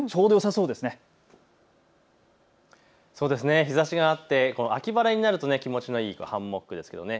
そうですね、日ざしがあって秋晴れになると気持ちのいいハンモックですけどね。